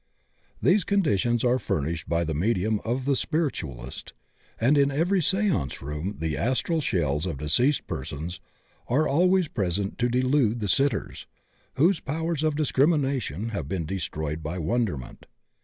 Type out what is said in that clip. These conditions are furnished by the medium of the spirit ualists, and in every seance room the astral shells of deceased persons are always present to delude the sit ters, whose powers of discrimination have been de stroyed by wonderment.